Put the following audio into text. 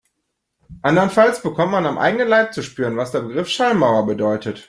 Andernfalls bekommt man am eigenen Leib zu spüren, was der Begriff Schallmauer bedeutet.